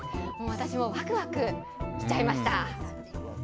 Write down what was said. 私もわくわくしちゃいました。